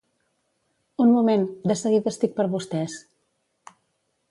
Un moment, de seguida estic per vostès.